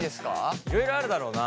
いろいろあるだろうな。